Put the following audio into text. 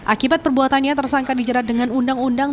akibat perbuatannya tersangka dijerat dengan undang undang